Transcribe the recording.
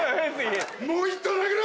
もう一投投げろ。